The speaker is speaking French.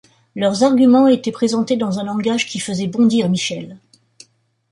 Leurs arguments étaient présentés dans un langage qui faisait bondir Michel.